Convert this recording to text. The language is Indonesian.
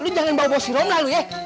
eh lo jangan bawa bawa si romla lo ya